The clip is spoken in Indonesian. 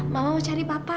mama mau cari papa